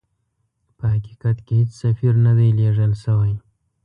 په حقیقت کې هیڅ سفیر نه دی لېږل سوی.